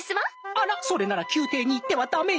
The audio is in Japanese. あらっそれなら宮廷に行っては駄目よ。